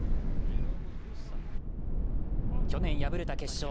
去年敗れた決勝。